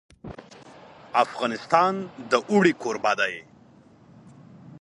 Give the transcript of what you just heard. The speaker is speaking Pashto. افغانستان د اوړي کوربه دی.